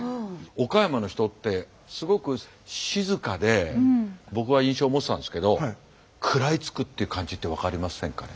岡山の人ってすごく静かで僕は印象を持ってたんですけど食らいつくっていう感じって分かりませんかね？